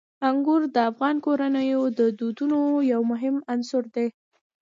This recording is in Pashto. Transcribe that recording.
انګور د افغان کورنیو د دودونو یو مهم عنصر دی.